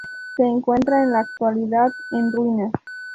Se encuentra en la actualidad en ruinas.